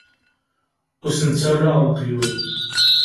Ur asen-ttarraɣ leqyud.